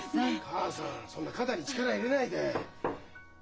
母さんそんな肩に力入れないで。